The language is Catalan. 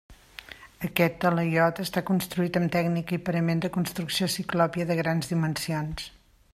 Aquest talaiot està construït amb tècnica i parament de construcció ciclòpia de grans dimensions.